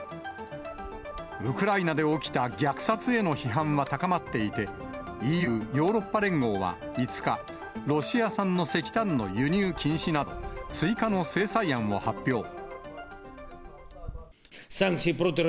ウクライナで起きた虐殺への批判は高まっていて、ＥＵ・ヨーロッパ連合は５日、ロシア産の石炭の輸入禁止など、追加の制裁案を発表。